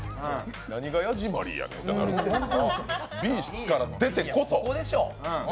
何がヤジマリーやねんってなる、Ｂから出てこそ。